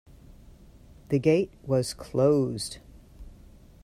The gate was closed.